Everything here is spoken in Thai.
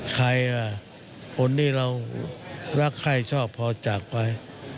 ใครล่ะคนที่เรารักใครชอบพอจากไป